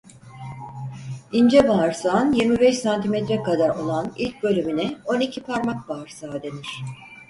İnce bağırsağın yirmi beş santimetre kadar olan ilk bölümüne onikiparmak bağırsağı denir.